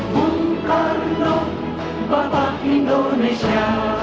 bung karno bapak indonesia